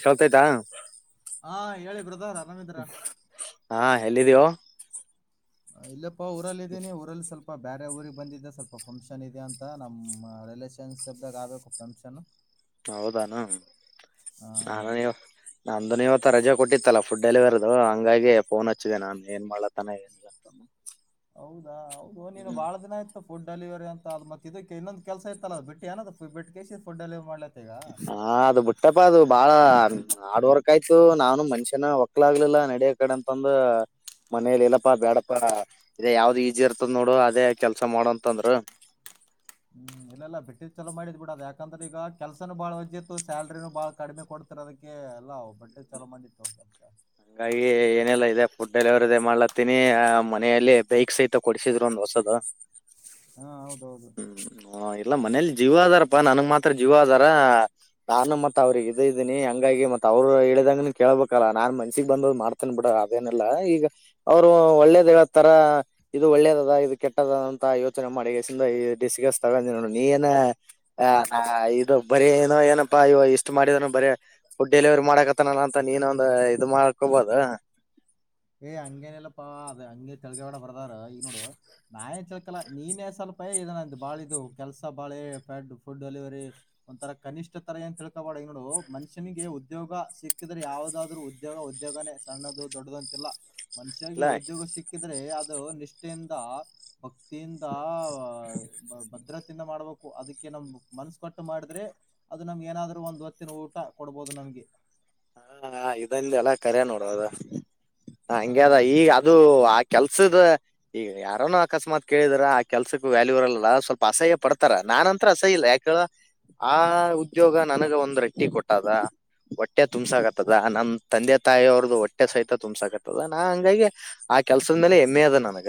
ಕೇಳ್ತಾಯ್ತಾ. ಹಾ ಹೇಳಿ ಬ್ರದರ್ ಆರಾಮಿದಿರ. ಹಾ ಎಲ್ಲಿದ್ಯೋ. ಇಲ್ಲಪ್ಪಾ ಊರಲ್ಲಿ ಇದೇನಿ ಊರಲ್ಲಿ ಸ್ವಲ್ಪ ಪಾ ಬೇರೆ ಊರಿಗೆ ಬಂದಿದ್ದ ಸ್ವಲ್ಪ ಫಂಕ್ಷನ್ ಇದೆ ಅಂತ ನಮ್ಮ್ ರಿಲೇಷನ್ [unintelligible] ಶಿಪ್ಗ ಆಗ್ಬೇಕು ಫಂಕ್ಷನ್. ಹೌದೆನೊ ನಾನ [unintelligible] ನಂದನವತ್ತು. [unintelligible] ರಜೆ ಕೊಟ್ಟಿತ್ತಲ್ಲ ಫುಡ್ ಡೆಲಿವರಿದುು ಹಂಗಾಗಿ ಫೋನ್ ಹಚ್ಚಿದೆ ನಾನನ್ ಏನ್ ಮಾಡ್ಲತನ ಏನ್. ಹೌದಾ ಹೌದು ನೀನು ಬಾಳ ದಿನ ಆಯ್ತ್ ಫುಡ್ ಡೆಲಿವರಿ ಅಂತ ಅ ಮತ್ತ ಇದಕ್ಕೆ ಇನ್ನೊಂದು ಕೆಲಸ ಇತ್ತಲ್ಲ ಅದು ಬಿಟ್ಟ [unintelligible] ಡೆಲಿವರಿ ಮಾಡ ಹಾ ಅದು ಬುಟ್ಟಪ್ಪ ಅದು ಬಾಳ ಹಾಡ್ ವರ್ಕ್ ಆಯ್ತು ನಾನು ಮನ್ಷ್ಯನ ಒಕ್ಲಾಗಗ್ಲಿಲ್ಲಾ ನಡಿಯ ಕಡೆ ಅಂತಂದು. ಮನೇಲಿ ಇಲ್ಲಪ್ಪಾ ಬೇಡಪ್ಪಾ ಇದ ಯಾವ್ದ್ ಈಜಿ ಇರ್ತದ ನೋಡು ಅದೇ ಕೆಲ್ಸ ಮಾಡಂತ ಅಂದ್ರು. [inaudible] ಹ್ಮ್ ಏನಿಲ್ಲ ಬಿಟ್ಟಿದ ಚಲೋ ಮಾಡಿದ್ ಬಿಡ ಅದ ಯಾಕ್ ಯಾಕಂದ್ರೆ ಈಗ ಕೆಲ್ಸನ ಬಾಳ್ ವಜ್ಜತ್ತು ಸ್ಯಲ್ರಿನು ಬಾಳ್ ಕಡಿಮೆ ಕೊಡ್ತರ್ ಅದಕ್ಕೆ ಎಲ್ಲ ಬಟ್ ಚಲೋ ಮಾಡಿತ್ತು. ಕೆಲ್ಸ [inaudible] ಹಂಗಾಗಿ ಏನೆಲ್ಲ ಇದೆ ಫುಡ್ ಡೆಲಿವರಿ ಮಾಡ್ಲತ್ತೀನಿ ಆ್ ಮನೆಯಲ್ಲಿ ಬೈಕ್ ಸಹಿತ ಕೊಡಿಸಿದ್ರು ಒಂದ್ ವಸ್ [unintelligible] ಹಾ ಹೌದೌದು ಅಲ್ಲ ಮನೇಲಿ ಜೀವ ಅದಾರಪಾ ನನ್ಗ್ ಮಾತ್ರ ಜೀವ ಅದಾರ. ನಾನು ಮತ್ ಅವ್ರಗ ಇದ ಇದ್ದೀನಿ ಹಂಗಾಗಿ ಮತ್ ಅವ್ರು ಇ ಹೇಳಿದಂಗನನು ಕೇಳಳ್ಬೇಕಲ್ಲಾ ನಾನ್ ಮನ್ ಮನ್ಸಿಗ್ ಬಂದ್ ಮಾಡ್ತೇನ್ ಬಿಡ ಅದೇನಿಲ್ಲಾ ಈಗ ಅವ್ರು ಒಳ್ಳೇದ್ ಹೇಳ್ತಾರ ಇದು ಒಳ್ಳೇದ ಅದ ಇದ್ ಕೆಟ್ಟದಂತ ಯೋಚನೆ ಮಾಡಿ ಡಿಸಗಸ್ ತಗೊಂಡೋ ನೀ ಏನ [unintelligible] ಇದು ಬರರಿ ಏನೋ ಏನಪ್ಪಾ ಇವ ಇಷ್ಟ್ ಮಾಡಿದಾನ ಬರೀ ಫುಡ್ ಡೆಲಿವರಿ ಮಾಡಕತ್ತನ ಅಂತ ನೀನೊಂದ ಅದು ಮಾಡ್ಕೊಬೋದ. ಏ ಹಂಗೇನಲ್ಲಪ್ಪಾ ಅದ ಹಂಗೆ ತೆಳಗವಾಡ ಬರ್ದಾರ ಈಗ ನೋಡು ನಾ ಏನ್ [unintelligible] ನೀನೇ ಸ್ವಲ್ಪ ಪ ಇದ ಬಾಳ ಇದು ಕೆಲಸ ಬಾಳೆ ಡ್ ಫುಡ್ ಡೆಲಿವರಿ ಒಂತರ ಕನಿಷ್ ತರ ಏ ತಿಳ್ಕೊಬ [unintelligible] ನೋಡು ಮನುಷ್ಯನಿಗೆ ಉದ್ಯೋಗ ಸಿಕ್ಕಿದ್ರೆ ಯಾವವುದಾದ್ರರು ಉದ್ಯೋಗ ಉದ್ಯೋಗನೇ ಸಣ್ಣದ ದೊಡ್ಡದುಂತ ಇಲ್ಲ ಮನುಷ್ಯ ಇಲ್ಲ ಉದ್ಯೋಗ ಸಿಕ್ಕಿದ್ರೆ ಅ ನಿಷ್ಠೆಯಿಂದ ಭಕ್ತಿಯಿಂದ ಭದ್ರತೆಯಿಂದ ಮಾಡ್ಬೇಕು ಅದ್ಕೆ ಮನ್ಸ್ ಕಟ್ಟು ಮಾಡಿದ್ರೆ ಅದು ನಮ್ಗೆ ಏನಾದ್ರು ಒಂದು ಹೊತ್ತಿನ ಊಟ ಕೊಡ್ಬೋದು ನಮ್ಗೆ. ಹ ಇದಂದ್ಯಲ್ಲ ಕರೆ ನೋಡ್ ಅದು ಹಂಗ್ಯೆ ಅದ ಹಾ ಈಗ ಅದು ಆ ಕೆಲ್ ಲ್ಸ್ದ್ ಈಗ ಯಾರನು ಅಕಸ್ಮಾತ್ ಕೇಳಿದರ ಆ ಕೆಲ್ಸಕ್ ವ್ಯಾಲ್ಯೂ ಇರಲ್ಲ ಸ್ವಲ್ಪ ಅಸಹ್ಯ ಪಡ್ತಾರ ನಾನು ನಂತ್ರ ಅಸಹ್ಯಯಿಲ್ಲೆ ಯಾಕೇಳು ಆ ಉದ್ಯೋಗ ನನಗ ಒಂದ್ ರಟ್ಟಿ ಕೊಟ್ಟದ ಹೊಟ್ಟೆ ತುಂಬ್ಸ ಆಕತ್ತದ ನಮ್ಮ್ ತಂದೆ ತಾಯಿಯ ಅವ್ರ್ದ ಹೊಟ್ಟೆ ಸಹಿತ ತುಂಬ್ಸ ಆಕತ್ತದ ನಾ ಹಂಗಾಗಿ ಆ ಕೆಲ್ಸದ ಮೇಲೆ ಹೆಮ್ಮೆಯಿದ ನನಗ.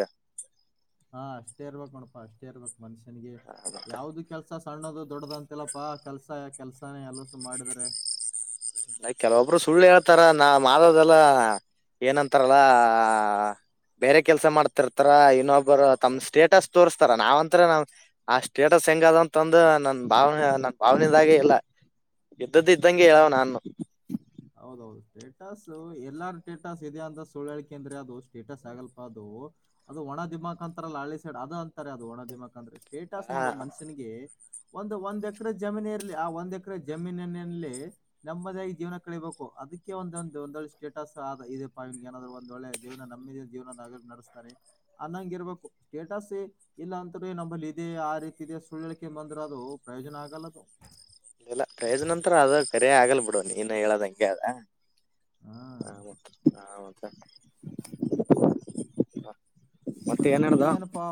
ಹಾ ಅಷ್ಟೇ ಇರ್ಬೇಕ್ ನೋಡಪಾ ಅಷ್ಟೇ ಇರ್ಬೇಕು ಮನುಷ್ಯನಿಗೆ ಮತ್ತ ಯಾವ್ದು ಕೆಲ್ಸ ಸಿ ಸಣ್ಣದು ದೊಡ್ಡದಂತಿಲ್ಲಪ್ಪಾ ಕೆಲ್ಸ ಕೆಲ್ಸಾನೇ ಎಲಸು ಮಾಡಿದರೆ. ಕೆಲವೊಬ್ರು ಸುಳ್ಳು ಹೇಳ್ತಾರ ನಾ ಮಾಡೋದೆಲ್ಲಾ. ಏನಂತಾರಲ್ಲ. ಬೇರೆ ಕೆಲ್ಸ ಮಾಡ್ತಿರ್ತಾರ ಇನ್ನೊಬ್ಬರು ತಮ್ ಸ್ಟೇಟಸ್ ತೋರ್ಸ್ತಾರ ನಾವ್ಂತ್ರ ನಾವ್ ಆ ಸ್ಟೇಟಸ್. ಹೆಂಗ [unintelligible] ಅದಂತಂದು ನನ್ ಭಾವನೆ ನನ್ ಭಾವನೆದಾಗೆ ಇಲ್ಲ ಇದ್ದದ ಇದ್ದಂಗೆ ಹೇಳವ ನಾನು ಹೌದೌದು ಸ್ಟೇಟಸ್ ಎಲ್ಲಾರ ಸ್ಟೇಟಸ್ ಇದೆ ಅಂತ ಸುಳ್ಳಳ್ ಅಂದ್ರೆ ಅದು ಸ್ಟೇಟಸ್ ಆಗಲ್ಪಾ ಅದು. ಅದು ಒಣ ಧಿಮಾಕ್ ಅಂತಾರಲ್ಲ ಹಳ್ಳಿ ಸೈಡ್ ಅದು ಅಂತಾರೆ ಅದು ಒಣ ದಿಮಾಕ್ ಸ್ಟೇಟಸ್ ಹ ನೋಡು ಮನುಷ್ಯನ್ಗೆ. ಒಂದು ಒಂದ್ ಎಕರೆ ಜಮೀನ ಇರಲಿ ಆ ಒಂದ್ ಎಕರೆ ಜಮೀನಿನಲ್ಲಿ ನೆಮ್ಮದಿಯಾಗಿ ಜೀವನ ಕಳಿಬೇಕು ಅದಕ್ಕೆ ಒಂದೊಂದು ಒಂದ ಸ್ಟೇಟಸ್ ಅ ಇದೆ ಪ ಏನಾದ್ ಒಂದ ಒಳ್ಳೆ ಜೀವನ ನಮ್ಮ ಜೀವನ. ನಡೆಸ್ತಾರೆ ಅನ್ನಂಗ ಇರ್ಬೇಕು ಸ್ಟೇಟಸ್ ಇಲ್ಲ ಅಂತ್ರೆ ನಲ್ಲಿ ಇದೆ ಆ ರೀತಿ ಇದೆ ಸುಳ್ಳಿಕೆ ಬಂದ್ರ ಅದು ಪ್ರಯೋಜನ ಆಗಲ್ಲದು. ಇಲ್ಲ ಪ್ರಯೋಜ್ ನಂತರ ಅದ ಕರಿ ಆಗಲ್ ಬಿಡು ನೀನು ಹೇಳದ ಹಂಗೆ ಅದ. ಹಾ [unintelligible] ಏನ್ ಮತ್ತೆ ಹೇಳ್ದ ಏನಪ್ಪಾ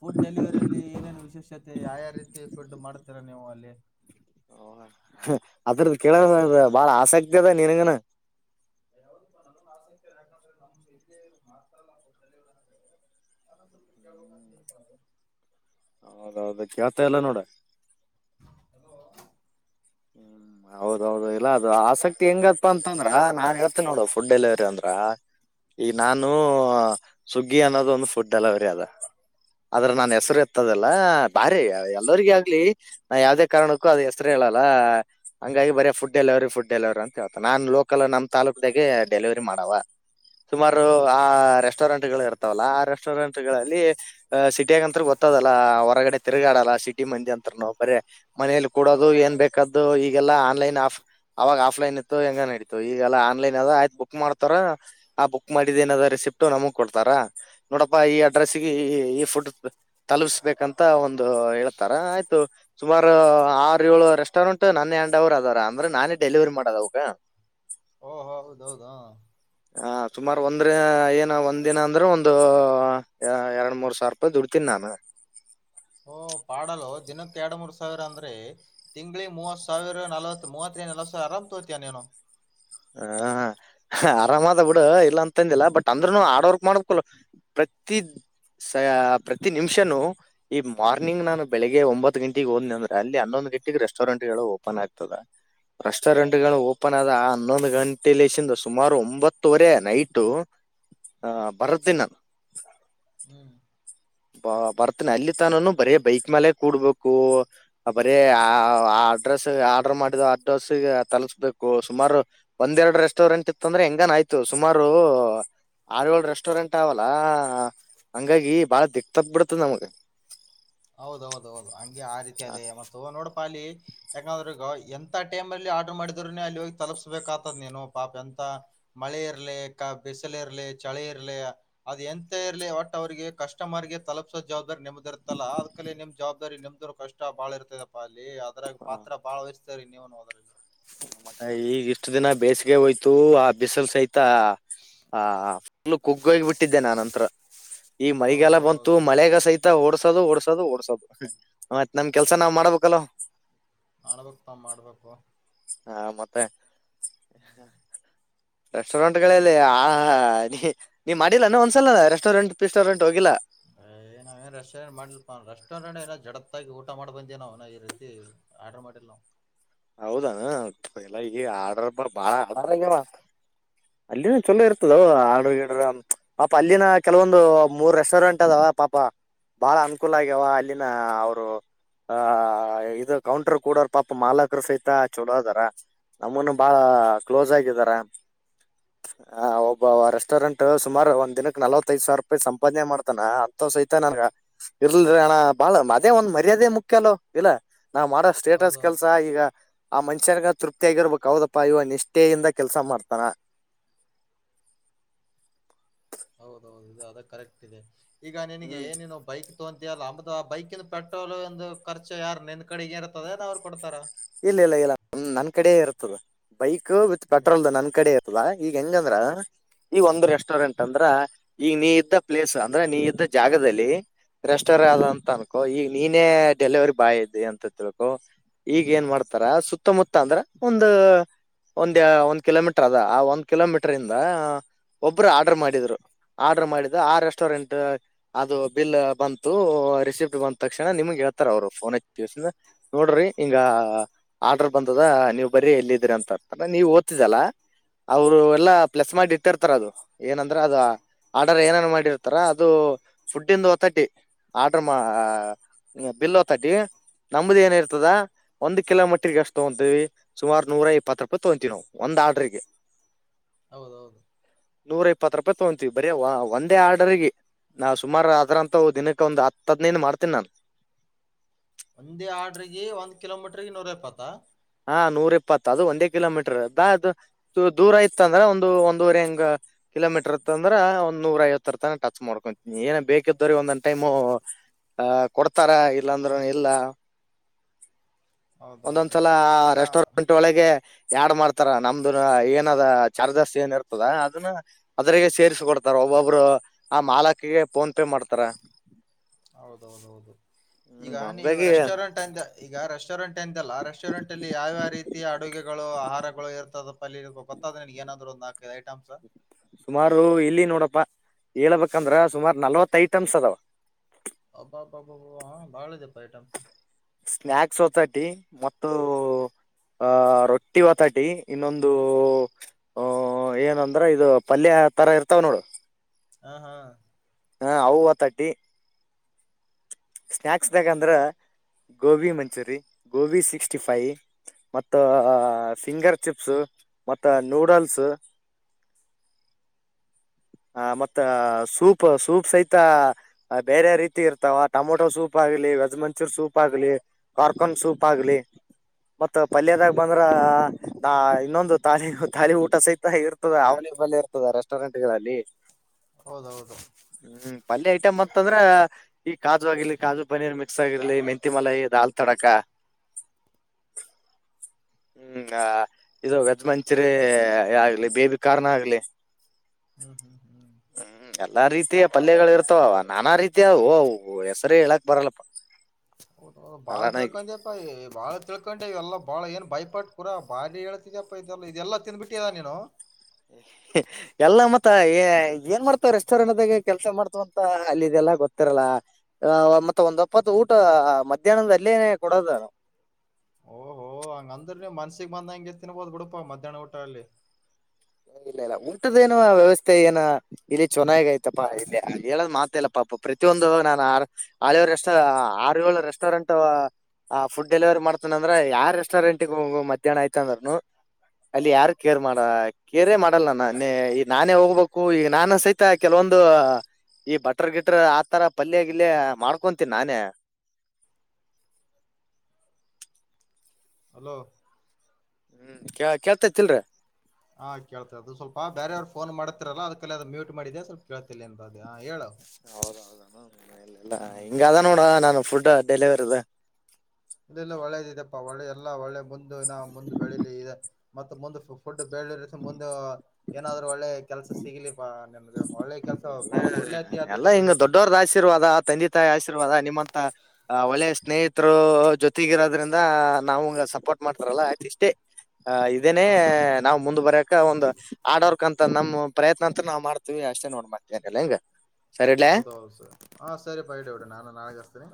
ಫುಡ್ ಡೆಲಿವರಿಲ್ಲಿ ಏನೇನು ವಿಶೇಷತೆ ಯಾವ ಯ್ಯಾವ ರೀತಿ ಫುಡ್ ಮಾಡ್ತೀರಾ ನೀವು ಅಲ್ಲಿ. ಅದರದ್ ಕೇಳ ಬಾಳ ಆಸಕ್ತಿ ಅದ ನೀನ್ಗನು [inaudible] [inaudible] [inaudible] ಹೌದೌದು ಕೆಳ್ತ್ ಎಲ್ಲ ನೋಡ್. ಹ್ಮ್ ಹೌದೌದು ಇಲ್ಲ ಅದು ಆಸಕ್ತಿ ಹೆಂಗತ್ತ ಅಂತಂದ್ರ ನಾನ್ ಹೇಳ್ತೀನಿ ನೋಡ ಫುಡ್ ಡೆಲಿವರಿ ಅಂದ್ರ. ಈ ನಾನು ಸುಗ್ಗಿ ಅನ್ನೋದ ಒಂದು ಫುಡ್ ಡೆಲಿವರಿ ಆದ. ಆದ್ರ ನಾ ಹೆಸರು ಎತ್ತದೆಲ್ಲಾ ಬಾರಿ ಎಲ್ಲರಿಗ ಆಗ್ಲಿ ನಾ ಯಾವ್ದೇ ಕಾರಣಕ್ಕೂ ಅದ ಹೆಸರ ಹೇಳ ಲಾ ಹಂಗಾಗಿ ಬರಿ ಫುಡ ಡೆಲವರಿ ಫುಡ್ ಡೆಲವರಿ ಅಂತ ಹೇತಾ ನಾನ್ ಲೋಕಲ್ ನಮ್ಮ ತಾಲೂಕದಾಗೆ ಡೆಲಿವರಿ ಮಾಡವ. ಸುಮಾರು ಆ ರೆಸ್ಟೋರೆಂಟ್ ಗಳು ಇರ್ತವಲ್ಲ ಆ ರೆಸ್ಟೋರೆಂಟ್ ಗಳಲ್ಲಿ ಸಿಟಿಗ ಗೊತ್ತ ದಲ್ಲ ಹೊರಗಡೆ ತಿರ್ಗಾಡಲ್ಲ ಸಿಟಿ ಮಂದಿ ಅಂತ್ರನು. ಬರೇ ಮನೇಲಿ ಕೂಡೋದು ಏನ್ ಬೇಕ ಅದು ಈಗೆಲ್ಲಾ ಆನ್ಲೈನ್ ಆಫ್ ಅವಾಗ ಆಫ್ಲೈನ್ ಇತ್ತು ಹೆಂಗ ನಡಿತದಾ ಈಗಲ್ಲ ಆನ್ಲೈನ್ದ ಆಯ್ತ ಬುಕ್ ಮಾಡ್ತಾರ ಆ ಬಕ್ ಮಾಡಿದ್ದ ಏನರಾ ರೆಸಿಪಿ ಟ್ಟ ನಮಗ್ ಕೊಡ್ತಾರ. ನೋಡಪ್ಪಾ ಈ ಅಡ್ರೆಸ್ಗೆ ಈ ಫುಡ್ ತಲುಪಿಸಬೇಕಂತ ಒಂದು ಹೇಳ್ತಾರ ಆಯ್ತು ಸುಮಾರು ಆರು ಏಳು ರೆ ಸ್ಟೋರೆಂಟ್ ನನ್ನೆ ಅಂಡವ್ರು ಅದಾರ ಅಂದ್ರೆ ನಾನೇ ಡೆಲಿವರಿ ಮಾಡೋದ ಅವಕ. ಓಹ ಹೌದೌದಾ. ಹ ಸುಮಾರು ಒಂದ್ರ ಏನ ಒಂದ್ ದಿನ ಅಂದ್ರೆ ಒಂದು ಎರಡ್ ಮೂರ್ ಸಾವಿರ ರೂಪಾಯಿ ದುಡಿ ತಿನಾನ. ಓ ಪಾಡಲೊ ದಿನಕ್ಕೆ ಎರಡ್ ಮೂರ್ ಸಾವಿರ ಅಂದ್ರೆ ತಿಂಗಳಿ ಮೂವತ್ ಸಾವಿರ ನಲ್ವತ್ ಮೂವತ್ ಆರಾಮ್ ತಗೋತಿಯಾ ನೀನು. ಹಾ ಹ. ಹ ಆರಾಮ ಆದ ಬಿಡ ಇಲ್ಲ ಅಂತಂದಿಲ್ಲ ಬಟ್ ಅಂದ್ನು ಹಾರ್ಡ್ ವರ್ಕ್ ಮಾಡ್ಬೇಕಲ್ಲ ಪ್ರತಿ ಸ ಪ್ರತಿ ನಿಮಿಷನು ಈ ಮಾರ್ನಿಂಗ್ ನಾನು ಬೆಳಿಗೆ ಒಂಬತ್ತು ಗಂಟೆಗಿ ಹೋದನ ಅಂದ್ರೆ ಅಲ್ಲಿ ಹನ್ನೊಂದು ಟ್ಟ ರೆಸ್ಟೋರೆಂಟ್ ಓಪನ್ ಆಗ್ತದೆ ರೆಸ್ಟೋರೆಂಟ್ ಓಪನ್ ಆದ ಹನ್ನೊಂದು ಗಂಟೆಲೆಸಿಂದ ಸುಮಾರು ಒಂಬತ್ತುವರೆ ನೈಟು ಹ ಬರದ್ದೇನ್ ನಾನ. ಹ್ಮ್. ಬ ಬರ್ತೀನಿ ಅಲ್ಲಿತನನು ಬರೇ ಬೈಕ್ ಮೇಲೆ ಕೂಡ್ಬೇಕು ಬರೇ ಆ ಅಡ್ರೆಸ್ ಆರ್ಡರ್ ಮಾಡ್ ಅಡ್ರೆಸ್ಗ ತಲಸ್ಬೇಕು ಸುಮಾರು ಒಂದೆರಡು ರೆಸ್ಟೋರೆಂಟ್ ಇತ್ತ ಅಂದ್ರೆ ಹೆಂಗ ನ್ ಆಯ್ತು ಸುಮಾರು ಆರ ಏಳು ರೆಸ್ಟೋರೆಂಟ್ ಆವಲ್ಲ ಹಂಗಾಗಿ ಬಾಳ ದಿಕ್ಕ ತಪ್ಪಿ ಬೀಡ್ತದ ನಮಗ್. ಹೌದೌದ ಹೌದು ಹಂಗೆ ಆ ರೀತಿ ಅದೇ ಮ ನೋಡಪಾ ಅಲ್ಲಿ ಯಾಕ ಅಂದ್ರ ಈಗ. ಎಂತ ಟೈಮ್ ಅಲ್ಲಿ ಆರ್ಡ್ರರ್ ಮಾಡಿದ್ರುನೆ ಅಲ್ಲಿ ಹೋಗಿ ತಲುಪ್ಸ್ಬೇಕ ಆತದ ನೀನು ಪಾಪ ಎಂತ ಮಳೆ ಇರಲಿ. ಬಿಸಿಲು ಇರ್ಲಿ, ಚಳಿ ಇರ್ಲಿ, ಅದು ಎಂತ ಇರಲಿ. ಒಟ್ ಅವಿಗೆ ಕಸ್ಟಮರ್ಗೆ ತಲುಪ್ಸೋ ಜವಾಬ್ದಾರಿ ನೆಮ್ಮದಿರ್ ತಲ್ಲ ಅದ್ಕಲ್ಲಿ ನಿಮ್ ಜವಾಬ್ದಾರಿ ನಿಮ್ದ್ರು ಕಷ್ಟ ಬಾಳ ಇರ್ತೈದಪ್ಪ ಅಲ್ಲಿ ಅದ್ರಾಗ ಪಾತ್ರ ಬಾಳ ವ ಸರಿ ನೀವು ಅದ್ರಲ್ಲಿ. ಮತ್ತ ಈಗ ಇಷ್ಟು ದಿನ ಬೇಸಿಗೆ ಹೋಯ್ತು ಆ ಬಿಸಲ್ಸೈ ತ್ತ ಆ ಫುಲ್ ಕುಗ್ಗ ಹೋಗಿ ಬಿಟ್ಟಿದ್ದೆ ನಾನಂತತ್ರ. ಈ ಮೈಗೆಲ್ಲ ಬಂತು ಹೌದೌದೌದು ಮಳೆಾಗ ಸೈತ ಮತ್ತೆ ಓಡ್ಸೋದು ಓಡ್ಸೋದು ಓಡ್ಸೋದು ಆತ್ ನಮ್ ಕೆಲ್ಸ ನಾವ್ ಮಾಡ್ಬೇಕಲ್ಲ. ಮಾಡ್ಬೇಕಕ್ಪ ಮಾಡ್ಬೇಕು. ಹಾ ಮತ್ತೆ. ರೆಸ್ಟೋರೆಂಟ್ ಗಳಲ್ಲಿ ಆ ನೀನ್ ನೀ ಮಾಡಿಲ್ಲಾನ ಒಂದ್ಸಲ ರೆಸ್ಟೋರೆಂಟ್ ಪಿಸ್ಟೋರೆಂಟ್. ಹೋಗಿಲ್ಲ ಹೇ ನಾವೇನ್ ರೆಸ್ಟೋರೆಂಟ್ ಮಡಿಲಪ [unintelligible] ಜಡಾತ್ತಗಿ ಊಟ ಮಾಡಬಂದಿವಿ ನಾವ್ ಈ ರೀತಿ ಆರ್ಡ್ರ ಮಾಡಿಲ್ಲ ನಾವು. [unintelligible] ಅಲ್ಲಿನ ಚೊಲೋ ಇರ್ತದವೂ. ಆರ್ಡ್ರ ಗಿಡ ಪಾಪ ಅಲ್ಲಿನ ಕೆಲವೊಂದು ಮೂರ್ ರೆಸ್ಟೋರೆಂಟ್ ಅದಾವ ಪಾಪ ಬಾಳ ಅನುಕೂಲ ಆಗ್ಯಾವ ಅಲ್ಲಿನ ಅವರು. ಹ ಇದು ಕೌಂಟರ್ ಕೂಡರ್ ಪಾಪ ಮಾಲಕ್ ಸಹಿತ ಚಲೋದಾರ ನಮ್ಮನು ಬಾಳ ಕ್ಲೋಸ್ ಆಗಿದಾರ. ಹ ಒಬ್ಬ ರೆಸ್ಟೋರೆಂಟ್ ಸುಮಾರು ಒಂದ್ ದಿನಕ್ಕೆ ನಲವತ್ತೈಐದ ಸಾವಿರ ರೂಪಾಯಿ ಸಂಪಾದನೆ ಮಾಡ್ತಾನ ಅಂತ. ಸಹಿತ ನನ್ಗ ಇರ್ಲಲ್ ಅಣ ಬಾಳ ಅದೇ ಒಂದ್ ಮರ್ಯಾದೆ ಮುಖ್ಯ ಅಲ್ಲೋ ಇಲ್ಲ. ನಾವ್ ಮಾಡೋ ಸ್ಟೇಟಸ್ ಹೌದೌದು ಕೆಲ್ಸ ಈಗ, ಆ ಮನುಷ್ಯನಗ ತೃಪ್ತಿಯಗರ್ಬೇಕಕ್ ಹೌದಪ್ಪಾ ಇವ ನಿಷ್ಠೆಯಿಂದ ಕೆಲ್ಸ ಮಾಡ್ತಾನ. [unintelligible] ಹೌದೌದು ಇದು ಅದ ಕರೆಕ್ಟ್ ಇದೆ ಈಗ ನಿನಗೆ ಹ್ಮ್ ನೀನು ಬೈಕ್. ಅಂತಿಯಾಲ ಬೈಕಂದು ಪೆಟ್ರೋಲ್ಂದು ಖರ್ಚ ಯಾರ ನೆನ್ ನೀನ್ ಕಡೆಗೆ ಇರ್ತದ ಅವ್ರು ಕೊಡ್ತಾರ. ಇತದ ಬೈಕ್ ವಿತ್ ನಿನ್- ಪೆಟ್ರೋಲ್ದು ನನ್ ಕಡೆ ಇರ್ತದ ಈಗ ಹೆಂಗಂದ್ರ. ಈಗ ಒಂದು ರೆಸ್ಟೋರೆಂಟ್ ಅಂದ್ರ ಈಗ ನೀ ಇದ್ದ ಪ್ಲೇಸ್ ಅಂದ್ರೆ ನೀ ಇದ್ದ ಜಾಗದಲ್ಲಿ. ರೆಸ್ಟೋರ ಅದ ಅಂತ ಅನ್ಕೋ ಈಗ ನೀನೇ ಡೆಲಿವರಿ ಬಾಯ್ ಇ್ದದೆ ಅಂತ ತಿಳ್ ಈಗ ಏನ್ ಮಾಡ್ತಾರ ಸುತ್ತಮುತ್ತ ಅಂದ್ರ ಒಂದು. ಒಂದ್ ಒಂದ್ ಕಿಲೋಮೀಟರ್ ಅದ ಆ ಒಂದ್ ಕಿಲೋಮೀಟರ್ ಇಂದ. ಒಬ್ಬರು ಆರ್ಡರ್ ಮಾಡಿದ್ರು ಆರ್ಡರ್ ಮಾಡಿದ ಆ ರೆಸ್ಟೋರೆಂಟ್ ಅದು ಬಿಲ್ ಬಂತು. ರಿಸೀಪ್ ಬಂದ್ ತಕ್ಷಣ ನಿಮಗೆೇಳ್ತಾರ ಅವರು ಫೋನ್ ತಿವಸ ನೋಡ್ರಿ ಹಿಂಗ ಆರ್ಡರ್ ಬಂದದ ನೀವ್ ಬರ್ರಿ ಎಲ್ಲಿದ್ರ ಅಂತ ಅರ್ತಾರ ನೀವ್ ಓದ್ತಿದಲ್ಲ. ಅವರು ಎಲ್ಲಾ ಪ್ಲಸ್ ಮಾಡಿ ಇಟ್ಟಿರ್ತಾರ ಅದು ಏನಂದ್ರೆ ಅದು ಆರ್ಡರ್ ಏನನ್ ಮಾಡಿರ್ತಾರ ಅದು. ಫುಡ್ಡಿನ್ ಹೊತಟಿ ಆಡರ್ ಮ ಬಿಲ್ ಹೊತಟಿ ನಮ್ ನಮದ ಏನ ಇರ್ತದ ಒಂದ ಕಿಲೋಮೀಟರ್ಗೆಷ್ಟ ತಗೊತೀವಿ ಸುಮಾರು ನೂರ ಇಪ್ಪತ್ತು ರೂಪಾಯಿ ತಗೊಂತೀವಿ ನಾವು ಒಂದ ಆರ್ಡ್ರಿಗೆ. [unintelligible] ಹೌದೌದು. ನೂರ ಇಪ್ಪತ್ರೂಪಾಯಿ ತೊಗೊತೀವಿ ಬರಿ ಒಂದೇ ಆರ್ಡರ್ಗೆ. ನಾ ಸುಮಾರು ಅದ್ರಂತವು ದಿನಕ್ಕೆ ಒಂದ್ ಹತ್ ಹದಿನೈದ್ ಮಾಡ್ತನಿ ನಾನು. ಒಂದೇ ಆಡ್ರಿಗೆ ಒಂದ್ ಕಿಲೋಮೀಟ್ರಿಗೆ ನೂರ ಇಪ್ಪತ್ತ. ಹಾ ನೂರ ಇಪ್ಪತ್ ಅದು ಒಂದೇ ಕಿಲೋಮೀಟರ್ ಅದು ದೂರ ಇತ್ತ ಅಂದ್ರೆ ಒಂದು ಒಂದೂರೆ ಹೆಂಗ. ಕಿಲೋಮೀಟರ್ ಇತ್ ಅಂದ್ರ ಒಂದ್ ನೂರ ಐವತ್ತರ ತನ ಟಚ್ ಮಾಡ್ಕೊಂತೀನಿ ಏನ ಬೇಕಿದ್ದವರಿ ಒಂದೊಂದ್ ಟೈಮು. ಆ ಕೊಡ್ತಾರ ಇಲ್ಲಾಂದ್ರ ಇಲ್ಲ. ಹೌದೌದು. ಸಲ ಈಗ ರೆಸ್ಟೋರೆಂಟ್ ಒಳಗೆ. ಆಡ್ ಮಾಡ್ತಾರ ನಮ್ದು ಏನದ ಚಾರ್ಜಸ್ ಏನ್ ಇರ್ತದ ಅದನ್ನ ಅದ್ರಾಗ ಸೇರಿಸ ಕೊಡ್ತಾರ. ಒಬ್ರು ಆ ಮಾಲಕಿಗೆ ಫೋನ್ ಪೇ ಮಾಡ್ತಾರ. ಹೌದೌದು ಹೌದು ಹ್ಮ್ ಈಗ ನೀವು ಹಂಗಾಗಿ ರೆಸ್ಟೋರೆಂಟ್ ಅಂತ ಈಗ ರೆಸ್ಟೋರೆಂಟ್. ಅಂದಲ್ಲ ರೆಸ್ಟೋರೆಂಟ್ ಅಲ್ಲಿ ಯಾವ ಯಾವ ರೀತಿ ಅಡುಗೆಗಳು ಆಹಾರಗಳು ಇರ್ತದಪ್ಪ ಅ ಗೊತ್ತಾದಗೆ ಏನಾದ್ರು. ನಾಕೈದು ಐಟಂಸು. ಸುಮಾರು ಇಲ್ಲಿ ನೋಡಪ್ಪಾ ಹೇಳಳ್ಬೇಕಂದ್ರ ಸುಮಾರು ನಲ್ವತ್ ಐಟಮ್ಸ್ ಅದವ. ಅಬ್ಬಬ್ಬಾ ಹ ಬಾಳ್ ಇದೆಯಪ್ಪ ಐಟಮ್ಸ. ಸ್ನ್ಯಕ್ಸ್ ಹೊತಟಿ ಮತ್ತು. ಆಹ ರೊಟ್ಟಿ ಹೊತಟಿ ಇನ್ನೊಂದು ಆಹ ಏನಂದ್ರೆ ಇದು ಪಲ್ಯ. ತರಾ ಇರ್ತಾವ ನೋಡು. ಹಾ ಹಾ ಹ ಅವು ಹೊತಟಿ. ಸ್ನ್ಯಾಕ್ಸ್ದಾಗಂದ್ರ ಗೋಬಿ ಮಂಚೂರಿ ಗೋಬಿ ಸಿಕ್ಸ್ಟಿ ಫೈ. ಮತ್ತ ಫಿಂಗರ್ ಚಿಪ್ಸು ಮತ್ತ ನೂಡಲ್ಸ್. ಹ ಮತ್ತ ಸೂಪ್ ಸೂಪ್ ಸಹಿತ ಬೇರೆ ರೀತಿ ಇರ್ತಾವ ಟೊಮೊಟೊ ಸೂಪ್ ಸೂಪ್ ಆಗಲಿ ವೆಜ್ ಮಂಚೂರ್ ಸೂಪ್ ಆಗ್ಲಿ ಕಾರ್ಕನ್ ಸೂಪ್ ಆಗಲಿ. ಮತ್ತ ಪಲ್ಯದಾಗ ಬಂದ್ರ ಇನ್ನೊಂದು ತಾಳಿ ತಾಳಿ ಊಟ ಸಹಿತ ಇರ್ತದೆ ಅವನ. ಇರ್ತದೆ ರೆಸ್ಟೋರೆಂಟ್ಗಳಲ್ಲಿ ಹೌದೌದು ಹ್ಮ್ಮ್ ಪಲ್ಯ ಐಟಮ್ ಮತ್ತಂದ್ರ ಈ ಕಾಜು ಆಗಿರ್ಲಿ ಕಾಜು ಪನೀರ್ ಮಿಕ್ಸ್ ಆಗಿರ್ಲಿ ಮೆಂತಿ ಮಲೈ ದಾಲ್ ತಡಕ. ಹ್ಮ್ ಇದು ವೆಜ್ ಮಂಚೂರಿ ಆಗ್ಲಿ ಬೇಬಿ ಕಾರ್ನ್ ಆಗ್ಲಿ. ಹ್ಮ್ ಹ್ಮ್ ಹ್ಮ್ ಹ್ಮ ಎಲ್ಲಾ ರೀತಿಯ ಪಲ್ಯಗಳು ಇರ್ತವ ಅವ. ನಾನಾ ರೀತಿ ಅವೋ ಹೆಸರು ಹೇಳಕ್ ಬರಲ್ಲಪ್ಪ. ಓ ಬಾಳ್ ಅಲ್ಲಣ ಈಗ ತಿಳ್ಕೊಂಡಿಯಪ್ಪ ಈ ಬಾಳ್ ತಿಳ್ಕೊಂಡಿ ಎಲ್ಲ ಬಾಳ ಏನ್ ಭಯಪಟ್ಟ ಕೂಾ ಬಾರಿ ಹೇಳ್ತಿದಪ್ಪ ಇದೆಲ್ಲ ಇದೆಲ್ಲಾ ತಿಂದ್ಬಿತಟಿಯಲ್ಲ ನೀನು ಹೈ ಎಲ್ಲ ಮತ್ ತ್ತ ಏನ್ಮಾಡ್ತಾರ್ ರೆಸ್ಟೋರೆಂಟ್ದಾಗೆ ಕೆಲ್ಸ ಮಾಡ್ತವಂತ ಅಲ್ಲಿದೆಲ್ಲ ಗೊತ್ತಿರಲ್ಲ ಅ ಮತ್ತ ಒಂದ್ ಒಪತ್ ಊಟ ಮಧ್ಯಾಹ್ನದ ಅಲ್ಲೇ ನೇ ಕೊಡದ. ಓಹೋ ಹಂಗದ್ರ್ ನಿವ್ ಮನ್ಸಿಗ್ ಬಂದಂಗೆ ತಿನ್ಬೋದು ಬಿುಡಪಾ ಮಧ್ಯಾನ ಊಟ ಅಲ್ಲಿ. ಇಲ್ಲ ಇಲ್ಲ ಊಟದೇನೋ ವ್ಯವಸ್ಥೆ ಏನ ಇಲ್ಲಿ ಚೋನಾಗ್ ಆಯ್ತಪ್ಪಾ ಇಲ್ಲಿ ಅ ಹೇಳದ್ ಮಾತೆ ಇಲ್ಲಪಾ. ಪ್ರತಿಯೊಂದು ನಾನು ಆರ್ ಅಳೋರ್ ರೆಸ್ಟೋ ಆರ್ ಯೋಳು ರೆಸ್ಟೋರೆಂಟು ಆ ಫುಡ್ ಡೆಲಿವರಿ ಮಾಡ್ತನಂದ್ರೆ ಯಾರ್ ರೆಸ್ಟೋರೆಂಟಿಗೊಗು ಮದ್ಯಾಹ್ನಯ್ತ್ ಅಂದ್ರ್ನು ಅಲ್ಲಿ ಯಾರು ಕೇರ್ ಮಾಡಾ ಕೇರೆ ಮಾಡಲ್ನನ್ ನೆ ಈ ನಾನೇ ಹೋಗ್ಬಕು ಈಗ್ ನಾನು ಸಹಿತ ಕೆಲವೊಂದು ಈ ಬಟ್ರ ಗಿಟ್ರ ಆತರ ಪಲ್ಯೆ ಗಿಲ್ಯೆ ಮಾಡ್ಕೊಂತಿನ್ ನಾನೇ. ಹ್ಮ್. ಹಲೋ. ಹ್ಮ್ ಕೇಳ್ತೇತಿಳ್ರಿ. ಹಾ ಕೇಳ್ತದು ಸ್ವಲ್ಪ ಬೆರರ್ ಪೋನ್ ಮಾಡಿತ್ರಾಲ ಅದುಕಲೇ ಅದ್ ಮ್ಯೂಟ್ ಮಾಡಿದೆ ಸ್ವಲ್ಪ ಕೇಳ್ತಿನಿರು ಹ ಹೇಳು. ಹಾವ್ದ ಹವ್ದ ಇಲ್ ಇಲ್ಲ ಹ್ಮ್ ಹಿಂಗ್ ಅದ ನೋಡ ನಾನು ಫುಡ್ ಡೆಲಿವರ್ದ. ಇಲ್ಲ ಇಲ್ಲ ಒಳ್ಳೆದಿದೆ ಪಾ ಒಳ್ಳೆ ಎಲ್ಲಾ ಒಳ್ಳೆ ಮುಂದ್ ಇನ ಮುಂದ್ ಬೆಳಿಲಿ ಇದೆ ಮತ್ ಮುಂದ್ ಫುಡ್ ಬೆ ಿ ಮುಂದಾ ಏನಾದ್ರು ಒಳ್ಳೆ ಕೆಲ್ಸ ಸಿಗ್ಲಿಪಾ ನಿಮ್ಗೆ ಒಳ್ಳೆ ಕೆಲ್ಸ ಪಾಪ ದುಡ್ಲತಿ ಆ ಹ ಎಲ್ಲ ದುಡಿ ಹಿಂಗ ದುಡಿ ದೋಡವ್ರ್ದ್ ಆಶೀರ್ವಾದ ತಂದೆ ತಾಯಿ ಶೀ ಶೀರ್ವಾದ ನಿಮ್ಮಂತ ಅ ಒಳ್ಳೆ ಸ್ನೇಹಿತ್ರು ಜೊತಿಗಿರದ್ರಿಂದ ನಮ್ಗ ಸಪೋರ್ಟ್ ಮಾಡ್ತರ. ಇಷ್ಟೇ ಆ ಇದೇನೇ ಹೌದು ನಾವ್ ಮುಂದ್ ಬರಕ ಒಂದು ಆಡ ತಕಂತ ನಮ್ಮ್ ಪ್ರಯತ್ನ ಅಂತ್ರು ನಾವ್ ಮಾಡ್ತೀವಿ ಅಷ್ಟೇ ನೋಡ್ ಮಾತೇನಿಲ್ಲ ಹಿಂಗ ಹೌದ ಹೌದು ಸರ್ ಹಾ ಸರಿಪ ಇಡು ಇಡು ಹ ಮಾಡ ನಳಿಗಸ್ತೀನಿ.